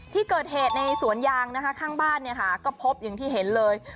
ที่เกิดเหตุในสวนยางนะคะข้างบ้านเนี่ยค่ะก็พบอย่างที่เห็นเลย